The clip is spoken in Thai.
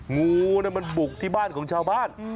งูมันบุกที่บ้านของชาวบ้าน